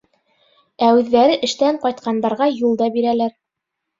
Ә үҙҙәре эштән ҡайтҡандарға юл да бирәләр.